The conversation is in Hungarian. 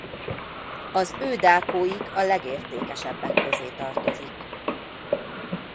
Az ő dákóik a legértékesebbek közé tartozik.